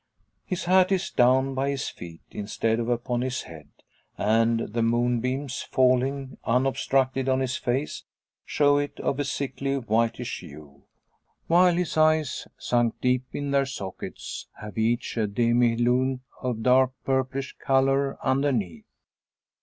His hat is down by his feet, instead of upon his head; and the moonbeams, falling unobstructed on his face, show it of a sickly whitish hue; while his eyes, sunk deep in their sockets, have each a demi lune of dark purplish colour underneath.